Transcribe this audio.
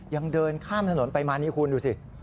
ยังเดินข้ามถนนไปมานี่คุณดูสิ